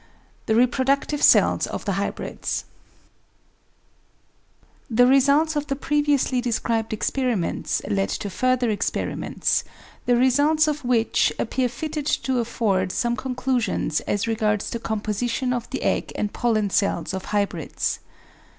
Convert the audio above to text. The Reproductive Cells of the Hybrids The results of the previously described experiments led to further experiments, the results of which appear fitted to afford some con clusions as regards the composition of the egg and pollen cells of hybrids.